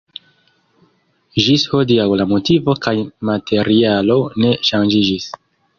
Ĝis hodiaŭ la motivo kaj materialo ne ŝanĝiĝis.